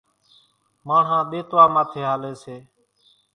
ماڻۿان ۮيتوا ماٿي ھالي سي،